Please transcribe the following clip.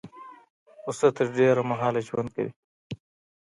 پسه تر ډېره مهاله ژوند کوي.